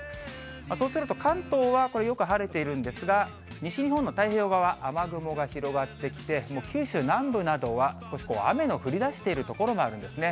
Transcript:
そうすると関東はよく晴れているんですが、西日本の太平洋側、雨雲が広がってきて、九州南部などは少し雨の降りだしている所があるんですね。